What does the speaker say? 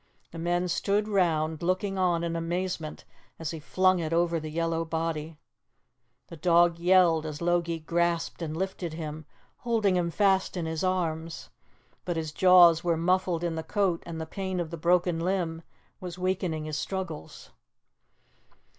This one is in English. The men stood round, looking on in amazement as he flung it over the yellow body. The dog yelled as Logie grasped and lifted him, holding him fast in his arms; but his jaws were muffled in the coat, and the pain of the broken limb was weakening his struggles.